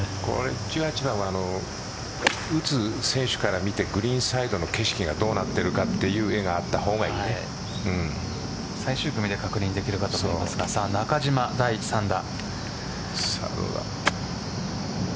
１８番は、打つ選手から見てグリーンサイドの景色がどうなっているかという絵が最終組確認できるかと思いますが中島、第３打。